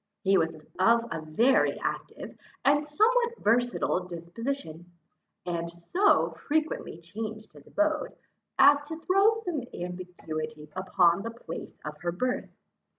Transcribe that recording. He was of a very active, and somewhat versatile disposition, and so frequently changed his abode, as to throw some ambiguity upon the place of her birth.